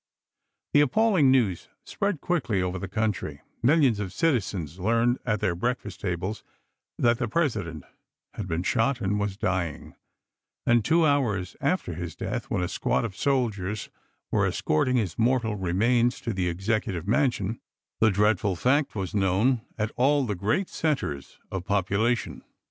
The appalling news spread quickly over the country; millions of citizens learned at their breakfast tables that the President had been shot and was dying ; and two hours after his death, when a squad of soldiers were escorting his mortal remains to the Executive Mansion, the dreadful fact was known at all the great centers of population.